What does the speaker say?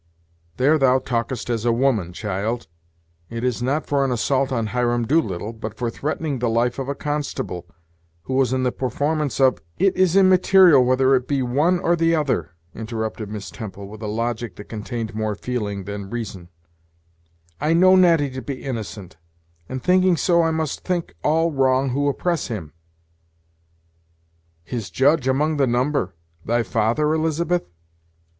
"There thou talkest as a woman, child; it is not for an assault on Hiram Doolittle, but for threatening the life of a constable, who was in the performance of " "It is immaterial whether it be one or the other," interrupted Miss Temple, with a logic that contained more feeling than reason; "I know Natty to be innocent, and thinking so I must think all wrong who oppress him." "His judge among the number! thy father, Elizabeth?"